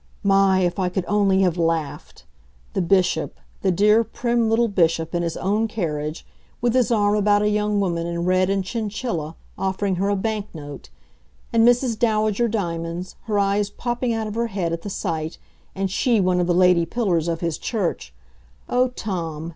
My, if I could only have laughed! The Bishop, the dear, prim little Bishop in his own carriage, with his arm about a young woman in red and chinchilla, offering her a bank note, and Mrs. Dowager Diamonds, her eyes popping out of her head at the sight, and she one of the lady pillars of his church oh, Tom!